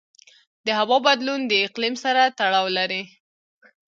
د هوا بدلون د اقلیم سره تړاو لري.